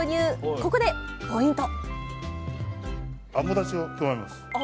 ここでポイント